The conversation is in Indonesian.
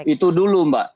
itu dulu mbak